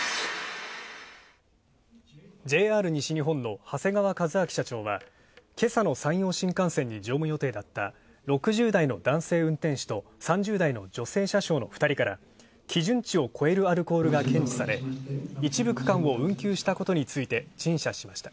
ＪＲ西日本の長谷川一明社長は、けさの山陽新幹線に乗務予定だった６０代の男性運転手と３０代の女性車掌の２人から基準値を超えるアルコールが検知され一部区間を運休、陳謝しました。